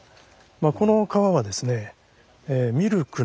この川はですね乳川。